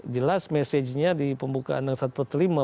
jelas mesejnya di pembukaan yang satu kelima